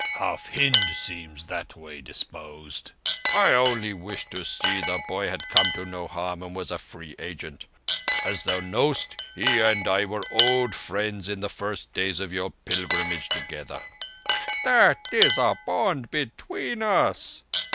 "Hmph! Half Hind seems that way disposed. I only wished to see that the boy had come to no harm and was a free agent. As thou knowest, he and I were old friends in the first days of your pilgrimage together." "That is a bond between us."